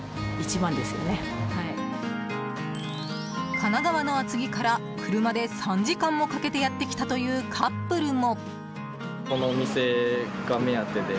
神奈川の厚木から車で３時間もかけてやってきたというカップルも。